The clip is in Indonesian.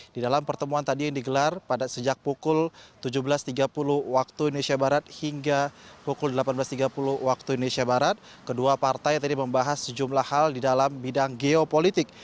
di dalam pertemuan tadi yang digelar pada sejak pukul tujuh belas tiga puluh waktu indonesia barat hingga pukul delapan belas tiga puluh waktu indonesia barat kedua partai tadi membahas sejumlah hal di dalam bidang geopolitik